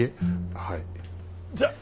はい。